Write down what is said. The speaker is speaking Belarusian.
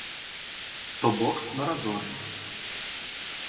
То бок на разоры.